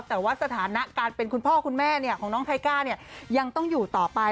แต่ว่าสถานะการเป็นคุณพ่อคุณแม่ของน้องไทก้าเนี่ยยังต้องอยู่ต่อไป